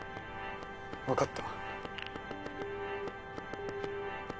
分かった。